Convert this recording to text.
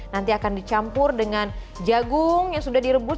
nanti akan dicampur dengan jagung yang sudah direbus